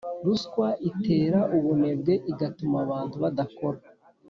Ruswa itera ubunebwe, igatuma abantu badakora